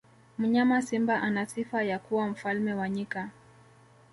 mnyama simba ana sifa ya kuwa mfalme wa nyika